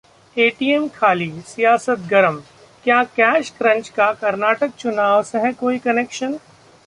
ATM खाली, सियासत गरम: क्या कैश क्रंच का कर्नाटक चुनाव से है कोई कनेक्शन?